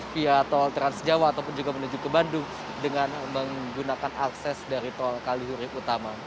via tol transjawa ataupun juga menuju ke bandung dengan menggunakan akses dari tol kalihurip utama